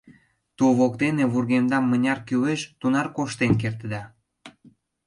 Тул воктене вургемдам мыняр кӱлеш, тунар коштен кертыда.